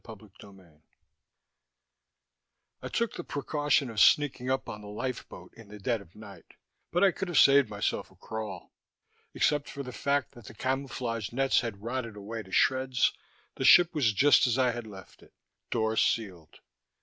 CHAPTER XIII I took the precaution of sneaking up on the lifeboat in the dead of night, but I could have saved myself a crawl. Except for the fact that the camouflage nets had rotted away to shreds, the ship was just as I had left it, doors sealed.